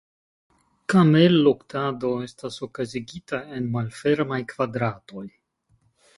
Kamelluktado estas okazigita en malfermaj kvadratoj.